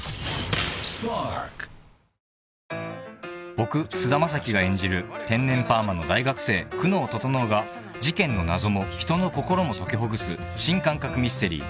［僕菅田将暉が演じる天然パーマの大学生久能整が事件の謎も人の心も解きほぐす新感覚ミステリー